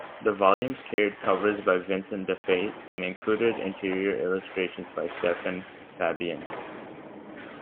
The volumes carried covers by Vincent DiFate and included interior illustrations by Stephen Fabian.